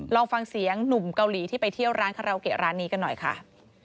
ลองฟังเสียงหนุ่มเกาหลีที่ไปเที่ยวร้านคาราโอเกะร้านนี้กันหน่อยค่ะ